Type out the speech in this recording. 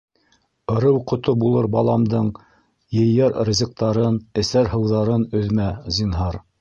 Ырыу ҡото булыр баламдың ейәр ризыҡтарын, эсәр һыуҙарын өҙмә, зинһар!